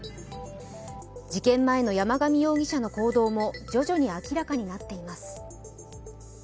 事件前の山上容疑者の行動も徐々に明らかになっています。